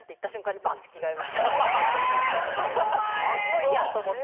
もういいやと思って。